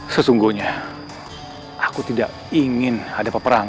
sesungguhnya aku tidak ingin ada peperang